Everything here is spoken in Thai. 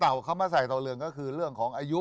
เขามาใส่ต่อเรืองก็คือเรื่องของอายุ